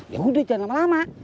yaudah jangan lama lama